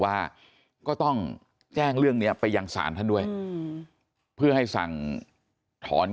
ว่าก็ต้องแจ้งเรื่องนี้ไปยังศาลท่านด้วยเพื่อให้สั่งถอน